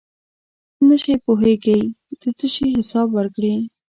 نشی پوهېږي د څه شي حساب ورکړي.